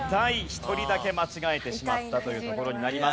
１人だけ間違えてしまったというところになります。